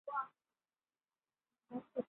কিন্তু আমি পারিনি।